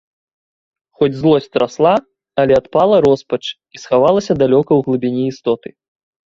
Хоць злосць расла, але адпала роспач і схавалася далёка ў глыбіні істоты.